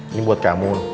ini buat kamu